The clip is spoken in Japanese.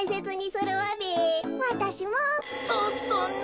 そそんな。